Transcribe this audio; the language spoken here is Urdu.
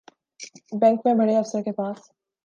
بینک میں بڑے افسر کے پاس